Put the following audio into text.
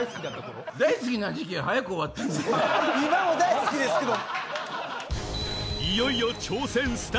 今も大好きですけど。